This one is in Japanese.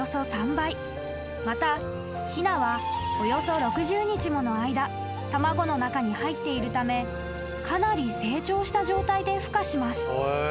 ［またひなはおよそ６０日もの間卵の中に入っているためかなり成長した状態でふ化します］